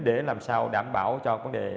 để làm sao đảm bảo cho vấn đề